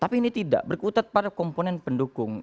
tapi ini tidak berkutat pada komponen pendukung